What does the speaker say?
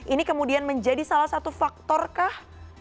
ini kemudian menjadi salah satu faktorkah